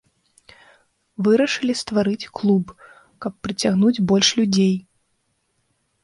Вырашылі стварыць клуб, каб прыцягнуць больш людзей.